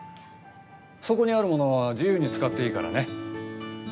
そこにあるものは自由に使っていいからね。